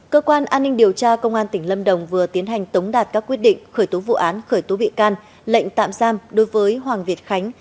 cơ quan an ninh điều tra công an tỉnh lâm đồng vừa tiến hành tống đạt các quyết định khởi tố vụ án khởi tố bị can lệnh tạm giam đối với hoàng việt khánh